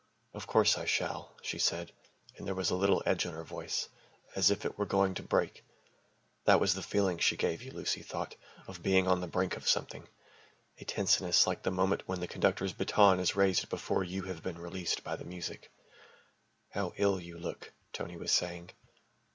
"Of course I shall," she said, and there was a little edge on her voice, as if it were going to break. That was the feeling she gave you, Lucy thought, of being on the brink of something, a tenseness like the moment when the conductor's baton is raised before you have been released by the music. "How ill you look," Tony was saying.